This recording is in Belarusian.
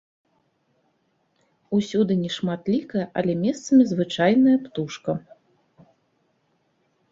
Усюды нешматлікая, але месцамі звычайная птушка.